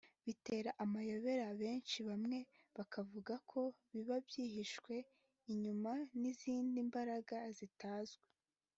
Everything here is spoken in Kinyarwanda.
bitera amayobera benshi bamwe bakanavuga ko biba byihishwe inyuma y’izindi mbaraga zitazwi